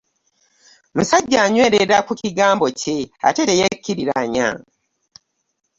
Musajja anywerera ku kigambo kye ate teyekkiriranya